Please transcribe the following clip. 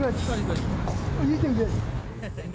いい天気です。